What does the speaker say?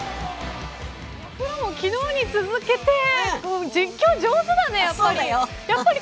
くらもん昨日に続けて実況上手だね、やっぱり。